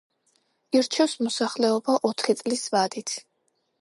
ირჩევს მოსახლეობა ოთხი წლის ვადით.